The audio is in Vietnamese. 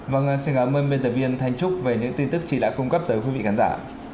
vâng xin cảm ơn biên tập viên thanh trúc về những tin tức chị đã cung cấp tới quý vị khán giả